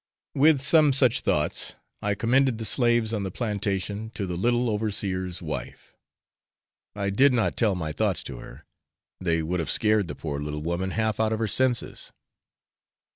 With some such thoughts I commended the slaves on the plantation to the little overseer's wife; I did not tell my thoughts to her, they would have scared the poor little woman half out of her senses.